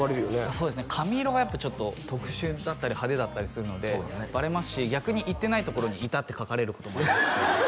そうですね髪色がやっぱちょっと特殊だったり派手だったりするのでバレますし逆に行ってないところにいたって書かれることもあります